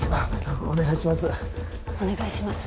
お願いします